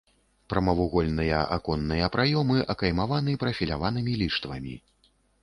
Прамавугольныя аконныя праёмы акаймаваны прафіляванымі ліштвамі.